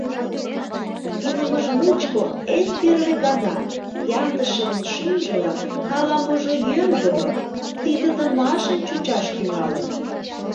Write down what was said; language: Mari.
Илымыж мучко эн первый гана Яндышевын шӱмжылан ала-можо йӧндымын, ситыдымашын чучаш тӱҥалын.